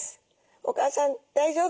お母さん大丈夫？